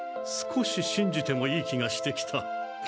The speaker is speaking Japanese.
少ししんじてもいい気がしてきた。